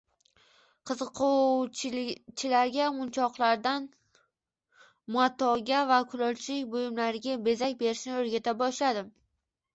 Qiziquvchilarga munchoqlardan matoga va kulolchilik buyumlariga bezak berishni oʻrgata boshladim.